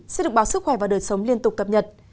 sẽ được báo sức khỏe và đời sống liên tục cập nhật